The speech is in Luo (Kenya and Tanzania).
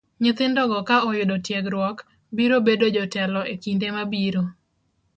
Nyithindo go ka oyudo tiegruok, biro bedo jotelo e kinde mabiro.